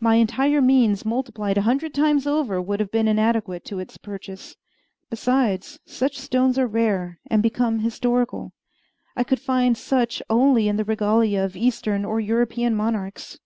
My entire means multiplied a hundred times over would have been inadequate to its purchase. Besides, such stones are rare, and become historical. I could find such only in the regalia of Eastern or European monarchs.